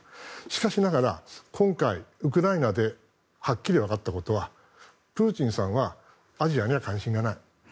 しかしながら、今回ウクライナではっきりわかったことはプーチンさんはアジアには関心がない。